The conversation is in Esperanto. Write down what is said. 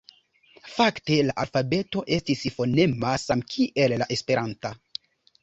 Fakte la alfabeto estis fonema, samkiel la esperanta.